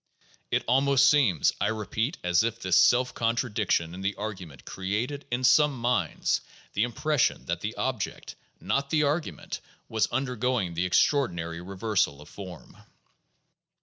It almost seems, I repeat, as if this self contradiction in the argu ment created in some minds the impression that the object — not the argument — was undergoing the extraordinary reversal of form.